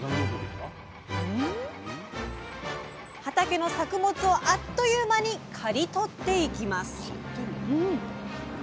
畑の作物をあっという間に刈り取っていきます。